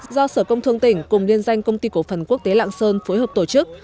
do sở công thương tỉnh cùng liên danh công ty cổ phần quốc tế lạng sơn phối hợp tổ chức